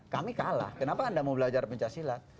kami kalah kenapa anda mau belajar pencak silat